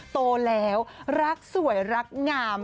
โตแล้วรักสวยรักงาม